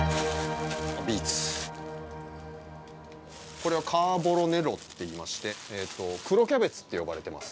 これはカーボロネロっていいまして黒キャベツって呼ばれてます